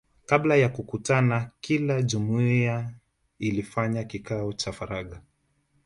Kabla ya kukutana kila jumuiya ilifanya kikao cha faragha